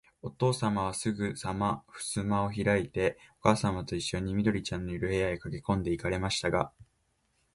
おとうさまは、すぐさまふすまをひらいて、おかあさまといっしょに、緑ちゃんのいる、部屋へかけこんで行かれましたが、